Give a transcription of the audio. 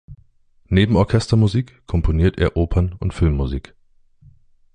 Neben Orchestermusik komponiert er Opern und Filmmusik.